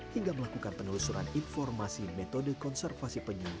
hingga melakukan penelusuran informasi metode konservasi penyu